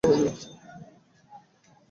তাহলে হয়তো তোর আওয়াজ ভালো হয়ে যাবে।